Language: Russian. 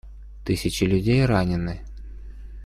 Тысячи людей ранены.